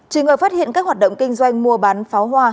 chỉ ngờ phát hiện các hoạt động kinh doanh mua bán pháo hoa